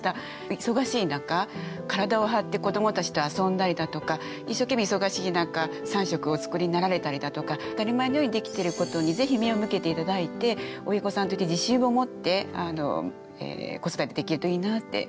忙しい中体を張って子どもたちと遊んだりだとか一生懸命忙しい中３食お作りになられたりだとか当たり前のようにできてることにぜひ目を向けて頂いて親御さんとして自信を持って子育てできるといいなって思いました。